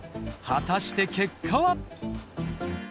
果たして結果は？